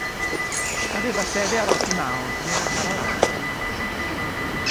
Aveva sede a Rocky Mount, nella Carolina del Nord.